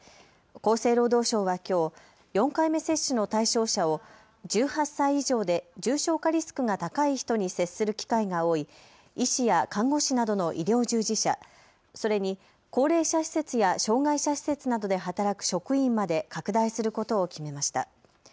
厚生労働省はきょう４回目接種の対象者を１８歳以上で重症化リスクが高い人に接する機会が多い医師や看護師などの医療従事者、それに高齢者施設や障害者施設などで働く職員まで拡大することを決めました。